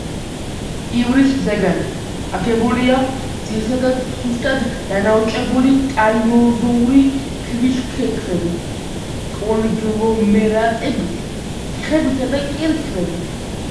ივრის ზეგანი აგებულია ძირითადად სუსტად დანაოჭებული კაინოზოური ქვიშაქვებით, კონგლომერატებით, თიხებითა და კირქვებით.